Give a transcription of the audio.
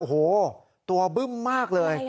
โอ้โหตัวบึ้มมากเลย